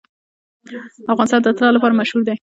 افغانستان د طلا لپاره مشهور دی.